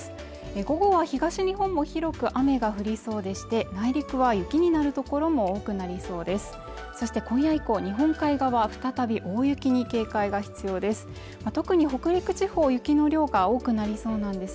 午後は東日本も広く雨が降りそうでして内陸は雪になる所も多くなりそうです